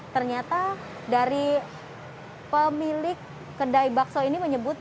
ternyata dari pemilik kedai bakso ini menyebut